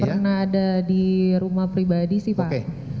pernah ada di rumah pribadi sih pak